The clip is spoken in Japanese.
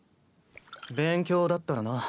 勉強だったらな。